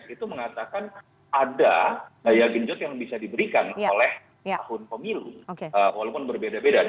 itu mengatakan ada daya genjot yang bisa diberikan oleh tahun pemilu walaupun berbeda beda